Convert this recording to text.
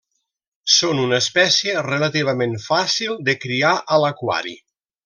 Són una espècie relativament fàcil de criar a l'aquari.